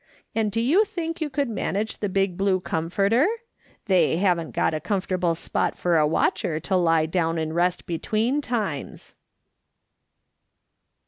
And do you think you could manage the big blue comforter ? They haven't got a comfortable spot fur a watcher to lie down and rest between times."